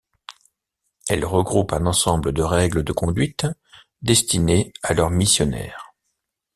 Elles regroupent un ensemble de règles de conduite destinée à leurs missionnaires.